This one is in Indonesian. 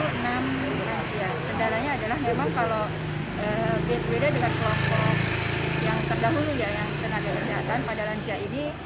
pedalanya adalah memang kalau beda beda dengan kelompok yang terdahulu ya yang tenaga kesehatan pada lansia ini